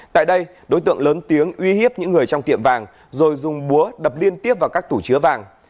tại đây đối tượng lớn tiếng uy hiếp những người trong tiệm vàng rồi dùng búa đập liên tiếp vào các tủ chứa vàng